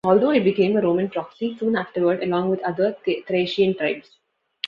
Although it became a Roman proxy soon afterward, along with other Thracian tribes.